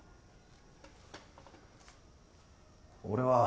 俺は。